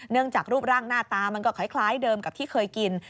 จากรูปร่างหน้าตามันก็คล้ายเดิมกับที่เคยกิน